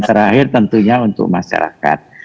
terakhir tentunya untuk masyarakat